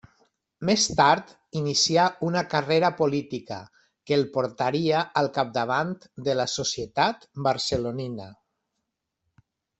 Més tard inicià una carrera política que el portaria al capdavant de la societat barcelonina.